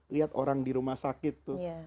lihat orang di rumah sakit tuh